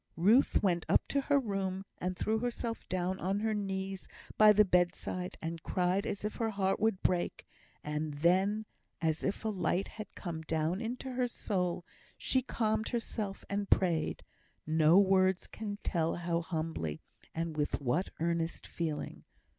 Ruth went up to her room, and threw herself down on her knees by the bedside, and cried as if her heart would break; and then, as if a light had come down into her soul, she calmed herself and prayed no words can tell how humbly, and with what earnest feeling.